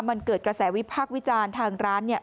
มันเกิดกระแสวิพักวิจารณ์ทางร้าน